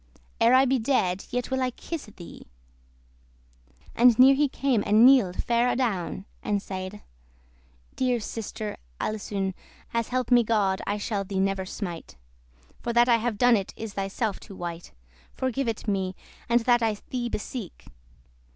Ere I be dead, yet will I kisse thee." And near he came, and kneeled fair adown, And saide", "Deare sister Alisoun, As help me God, I shall thee never smite: That I have done it is thyself to wite,* *blame Forgive it me, and that I thee beseek."